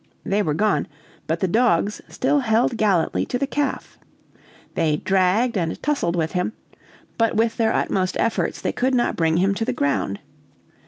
They were gone, but the dogs still held gallantly to the calf. They dragged and tussled with him, but with their utmost efforts they could not bring him to the ground.